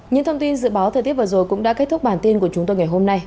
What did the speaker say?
những thông tin dự báo thời tiết vừa rồi cũng đã kết thúc bản tin của chúng tôi ngày hôm nay